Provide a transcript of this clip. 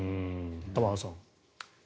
玉川さん。